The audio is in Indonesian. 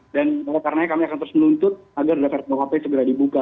dan karena itu kami akan terus menuntut agar draft rkuhp segera dibuka